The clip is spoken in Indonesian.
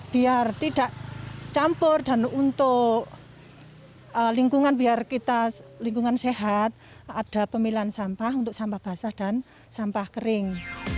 biar tidak campur dan untuk lingkungan biar kita lingkungan sehat ada pemilihan sampah untuk sampah basah dan sampah kering